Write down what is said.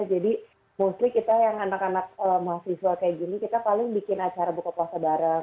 jadi mostly kita yang anak anak mahasiswa kayak gini kita paling bikin acara buka puasa bareng